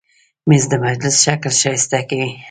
مېز د مجلسو شکل ښایسته کوي.